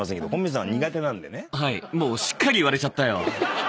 もうしっかり言われちゃったよ。